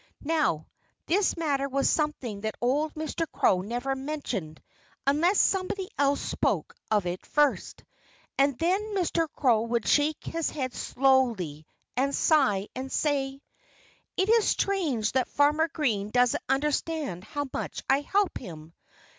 Now, this matter was something that old Mr. Crow never mentioned unless somebody else spoke of it first. And then Mr. Crow would shake his head slowly, and sigh, and say: "It's strange that Farmer Green doesn't understand how much I help him.